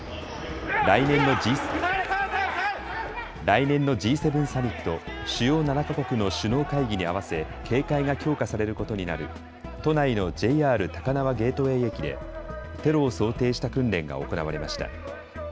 来年のＧ７サミット・主要７か国の首脳会議に合わせ警戒が強化されることになる都内のＪＲ高輪ゲートウェイ駅でテロを想定した訓練が行われました。